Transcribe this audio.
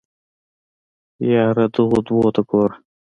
يره دغو دوو ته ګوره.